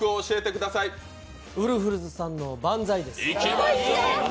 ウルフルズさんの「バンザイ」です。